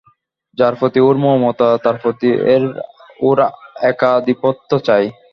যার প্রতি ওর মমতা তার প্রতি ওর একাধিপত্য চাই।